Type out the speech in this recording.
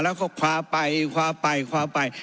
แล้วก็คว้าไปคว้าไปคว้าไป